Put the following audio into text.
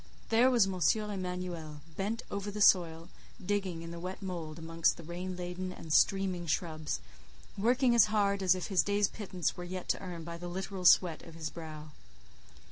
There was M. Emanuel, bent over the soil, digging in the wet mould amongst the rain laden and streaming shrubs, working as hard as if his day's pittance were yet to earn by the literal sweat of his brow.